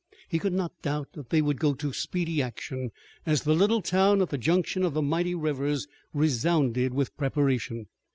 He could not doubt that they would go to speedy action as the little town at the junction of the mighty rivers resounded with preparation.